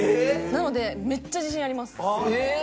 なのでめっちゃ自信あります。